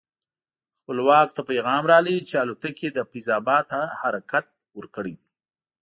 خپلواک ته پیغام راغی چې الوتکې له فیض اباد حرکت ورکړی دی.